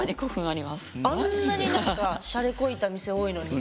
あんなにしゃれこいた店多いのに？